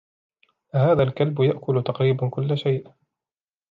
هذا الكلب يأكل تقريباً كل شئ.